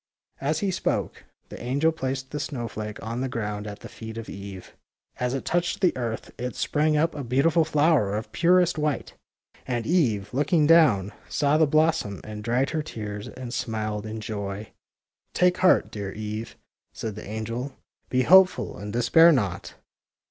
" As he spoke, the angel placed the snow flake on the ground at the feet of Eve. As it touched the earth it sprang up a beautiful flower of purest white. And Eve, lopking down, saw the blossom, and dried her tears and smiled in joy. Take heart, dear Eve," said the angel. Be hopeful and despair not.